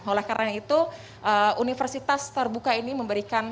oleh karena itu universitas terbuka ini memberikan